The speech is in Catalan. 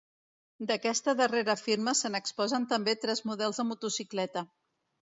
D'aquesta darrera firma, se n'exposen també tres models de motocicleta.